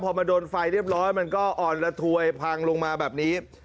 พอมาโดนไฟเรียบร้อยมันก็อ่อนระถวยพังลงมาแบบนี้